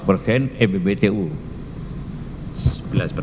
dari saya itu cukup